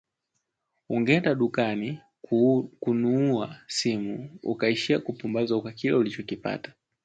Ungeenda dukani kunuua simu ukaishia kupumbazwa na kile ulichokipata